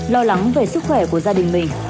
lo lắng về sức khỏe của gia đình mình